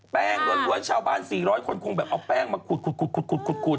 ล้วนชาวบ้าน๔๐๐คนคงแบบเอาแป้งมาขุด